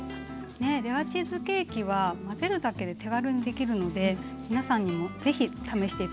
ねえレアチーズケーキは混ぜるだけで手軽にできるので皆さんにも是非試して頂きたいです。